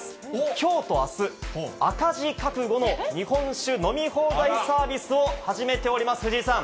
きょうとあす、赤字覚悟の日本酒飲み放題サービスを始めております、藤井さん。